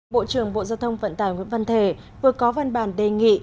bộ trưởng bộ giao thông vận tải nguyễn văn thể vừa có văn bản đề nghị